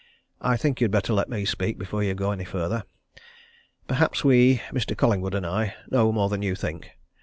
"I think you had better let me speak before you go any further. Perhaps we Mr. Collingwood and I know more than you think.